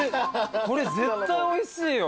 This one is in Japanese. これ絶対おいしいよ。